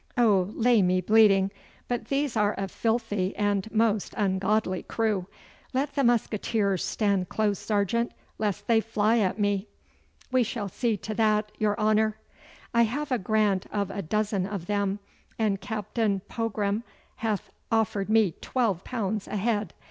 Oh, lay me bleeding, but these are a filthy and most ungodly crew! Let the musqueteers stand close, sergeant, lest they fly at me.' 'We shall see to that, your honour.' 'I have a grant of a dozen of them, and Captain Pogram hath offered me twelve pounds a head.